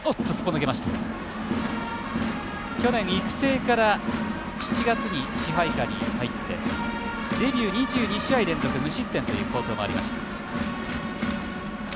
去年育成から７月から支配下に入ってデビュー２２試合連続無失点という好投もありました。